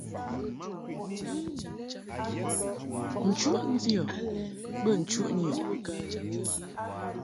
Nchuʼ ndiɔ bə nchuʼ nyum.